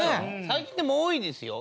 最近でも多いですよ。